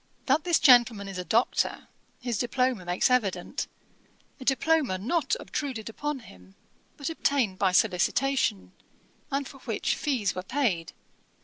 That this gentleman is a Doctor, his diploma makes evident; a diploma not obtruded upon him, but obtained by solicitation, and for which fees were paid.